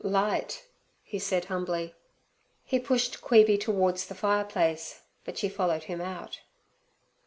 'Light,' said he humbly. He pushed Queeby towards the fireplace, but she followed him out.